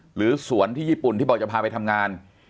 หรือสวนที่ญี่ปุ่นที่บอกจะพาไปทำงาน